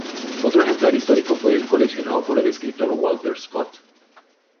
Otro ejemplar histórico fue el coleccionado por el escritor Walter Scott.